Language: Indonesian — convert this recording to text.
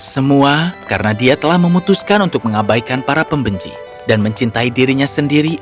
semua karena dia telah memutuskan untuk mengabaikan para pembenci dan mencintai dirinya sendiri